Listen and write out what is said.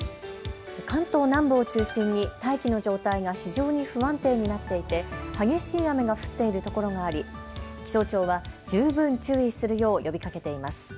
関東南部を中心に大気の状態が非常に不安定になっていて激しい雨が降っているところがあり気象庁は十分注意するよう呼びかけています。